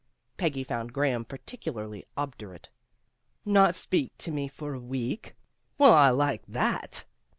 Peggy found Graham particularly obdurate. "Not to speak to me for a week? Well, I like that!"